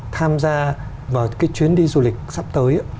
tham gia vào cái chuyến đi du lịch sắp tới